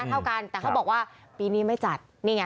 แต่เขาบอกว่าปีนี้ไม่จัด